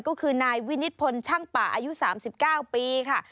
ก็คือนายวินิตพลช่างป่าอายุ๓๙ปีค่ะ